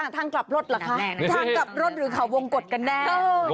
ทางกลับรถเหรอคะทางกลับรถหรือเขาวงกฎกันแน่